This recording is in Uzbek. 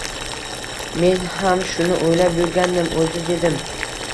— Men ham shuni o’ylab yurgandim o’zi… – dedim